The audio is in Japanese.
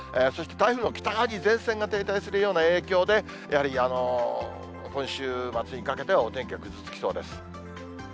そして台風の北側に前線が停滞するような影響で、やはり今週末にかけては、お天気はぐずつきそうです。